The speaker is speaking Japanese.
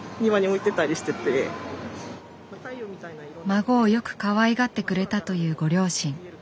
孫をよくかわいがってくれたというご両親。